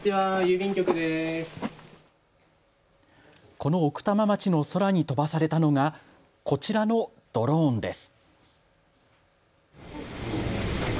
この奥多摩町の空に飛ばされたのがこちらのドローンです。